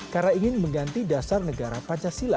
karena ingin mengganti dasar negara pancasila